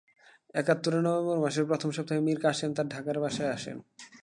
একাত্তরের নভেম্বর মাসের প্রথম সপ্তাহে মীর কাসেম তাঁর ঢাকার বাসায় আসেন।